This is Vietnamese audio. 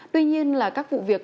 tuy nhiên là các vụ việc